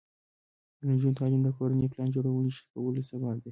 د نجونو تعلیم د کورنۍ پلان جوړونې ښه کولو سبب دی.